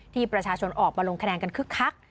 ที่ประชาชนออกมาลงคะแนนกันคึกคัก